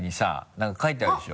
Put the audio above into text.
何か書いてあるでしょ？